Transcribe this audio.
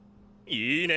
いいね！